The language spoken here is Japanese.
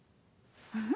フフ。